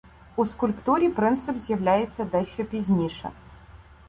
У скульптурі принцип з'являється дещо пізніше.